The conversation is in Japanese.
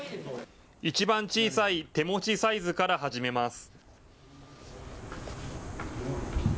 いちばん小さい手持ちサイズから始めます。